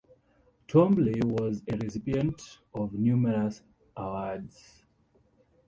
Twombly was a recipient of numerous awards.